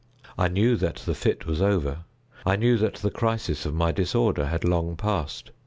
I knew that the fit was over. I knew that the crisis of my disorder had long passed.